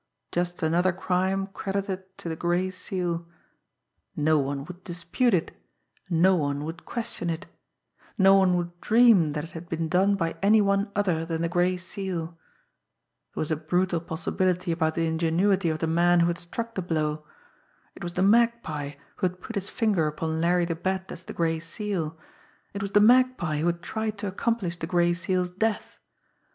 Just another crime credited to the Gray Seal! No one would dispute it; no one would question it; no one would dream that it had been done by any one other than the Gray Seal. There was a brutal possibility about the ingenuity of the man who had struck the blow. It was the Magpie who had put his finger upon Larry the Bat as the Gray Seal; it was the Magpie who had tried to accomplish the Gray Seal's death.